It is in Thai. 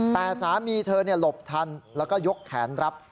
แต่สามีเธอหลบทันแล้วก็ยกแขนรับ